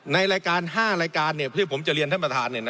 ในรายการ๕รายการที่ผมจะเรียนท่านประธาน